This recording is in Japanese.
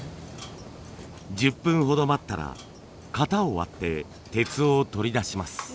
１０分ほど待ったら型を割って鉄を取り出します。